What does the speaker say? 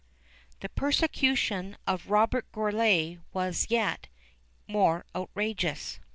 The persecution of Robert Gourlay was yet more outrageous.